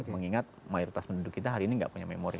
mengingat mayoritas penduduk kita hari ini nggak punya memori